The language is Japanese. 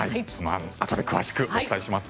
あとで詳しくお伝えします。